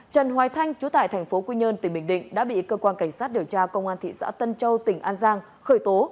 trần hoài thanh chú tại thành phố quy nhơn tỉnh bình định đã bị cơ quan cảnh sát điều tra công an thị xã tân châu tỉnh an giang khởi tố